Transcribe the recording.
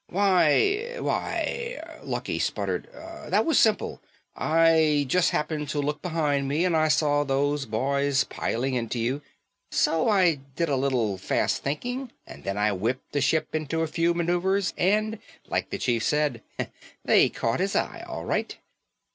"Why why," Lucky sputtered, "that was simple. I just happened to look behind me and I saw those boys piling into you. So I did a little fast thinking and then I whipped the ship into a few maneuvers and, like the chief says, they caught his eye all right."